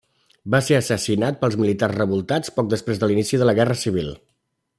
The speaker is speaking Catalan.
Va ser assassinat pels militars revoltats poc després de l'inici de la Guerra Civil.